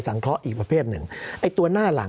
สำหรับกำลังการผลิตหน้ากากอนามัย